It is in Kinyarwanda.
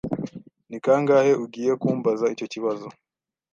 Ni kangahe ugiye kumbaza icyo kibazo?